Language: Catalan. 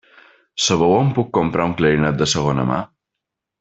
Sabeu on puc comprar un clarinet de segona mà?